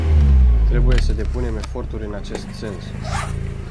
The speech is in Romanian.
Trebuie să depunem eforturi în acest sens.